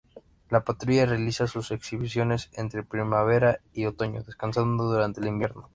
La patrulla realiza sus exhibiciones entre primavera y otoño, descansando durante el invierno.